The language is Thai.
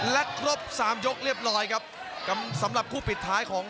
และครบสามยกเรียบร้อยครับสำหรับคู่ปิดท้ายของ